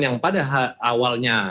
yang pada awalnya